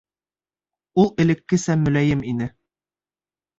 Ул элеккесә мөләйем ине.